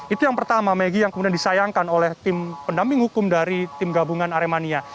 itu yang pertama megi yang kemudian disayangkan oleh tim pendamping hukum dari tim gabungan aremania